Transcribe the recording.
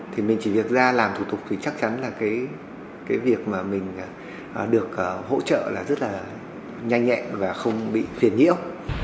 thì mình chỉ việc ra làm thủ tục thì chắc chắn là cái việc mà mình được hỗ trợ là rất là nhanh nhẹn và không bị phiền nhiễu